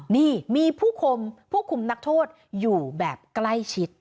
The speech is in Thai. นี่มีผู้คมผู้คุมนักโทษอยู่แบบใกล้ชิด